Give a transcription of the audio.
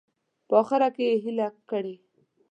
په اخره کې یې هیله کړې.